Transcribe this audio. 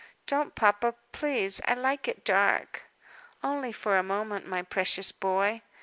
"Don't, papa, please. I like it dark." "Only for a moment, my precious boy."